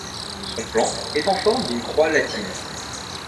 Son plan est en forme d’une croix latine.